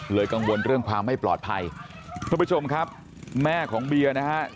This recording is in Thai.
กังวลเรื่องความไม่ปลอดภัยท่านผู้ชมครับแม่ของเบียร์นะฮะ